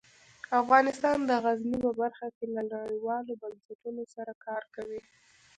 افغانستان د غزني په برخه کې له نړیوالو بنسټونو سره کار کوي.